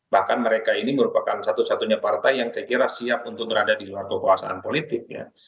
bahkan mereka ini merupakan satu satunya partai yang saya kira siap untuk berada di luar kekuasaan politik ya